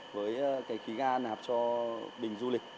với cái khí ga nạp cho bình du lịch